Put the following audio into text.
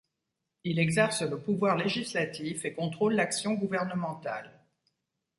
Il exerce le pouvoir législatif et contrôle l'action gouvernementale.